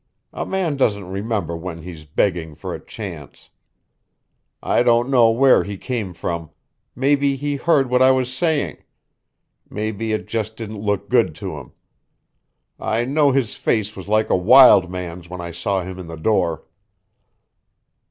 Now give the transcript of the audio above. A man doesn't remember when he's begging for a chance. I don't know where he came from. Maybe he heard what I was saying. Maybe it just didn't look good to him. I know his face was like a wild man's when I saw him in the door."